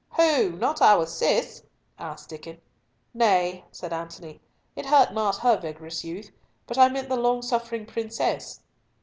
"Who? Not our Cis?" asked Diccon. "Nay," said Antony, "it hurt not her vigorous youth—but I meant the long suffering princess."